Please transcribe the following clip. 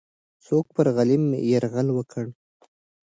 څوک پر غلیم یرغل وکړ؟